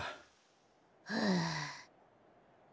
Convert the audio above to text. はあ。